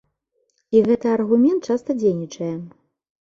І гэты аргумент часта дзейнічае.